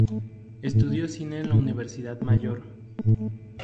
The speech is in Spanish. Estudió cine en la Universidad Mayor.